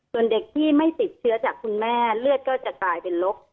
ส่วนเด็กที่ไม่ติดเชื้อจากคุณแม่เลือดก็จะกลายเป็นลบ